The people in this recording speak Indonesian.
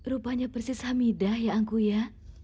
rupanya persis hamidah ya angkuya